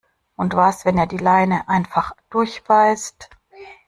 Und was, wenn er die Leine einfach durchbeißt?